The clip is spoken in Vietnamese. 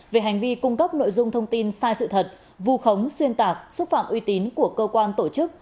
về hành vi cung cấp nội dung thông tin sai sự thật vù khống xuyên tạc xúc phạm uy tín của cơ quan tổ chức